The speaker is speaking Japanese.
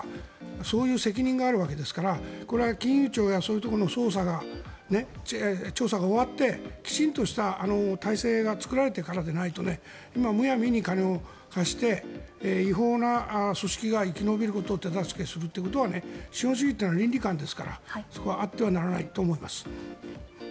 そういう責任があるわけですからこれは金融庁がそういうところの調査が終わってきちんとした体制が作られてからでないと今むやみに金を貸して違法な組織が生き延びることを手助けするということは資本主義というのは倫理観ですからそこはあってはならないと思います。